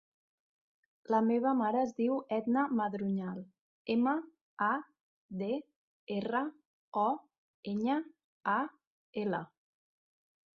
La meva mare es diu Etna Madroñal: ema, a, de, erra, o, enya, a, ela.